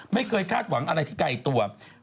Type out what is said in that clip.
ไม่เคยคาดหวังอะไรที่ไกลตัว